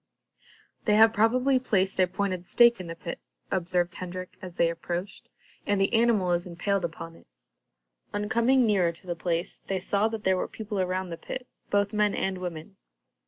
"They have probably placed a pointed stake in the pit," observed Hendrik, as they approached, "and the animal is impaled upon it." On coming nearer to the place, they saw that there were people around the pit, both men and women.